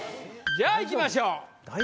じゃあいきましょう。